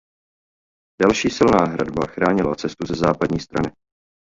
Další silná hradba chránila cestu ze západní strany.